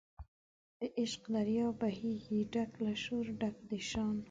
د عشق دریاب بهیږي ډک له شوره ډک د شان